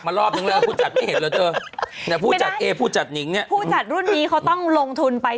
ไม่รู้ว่าไปตามบทหรือว่าผู้จัดอยากได้